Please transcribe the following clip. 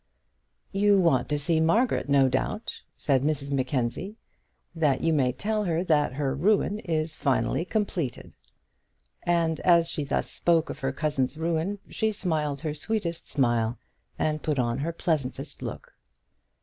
"You want to see Margaret, no doubt," said Mrs Mackenzie, "that you may tell her that her ruin is finally completed;" and as she thus spoke of her cousin's ruin, she smiled her sweetest smile and put on her pleasantest look.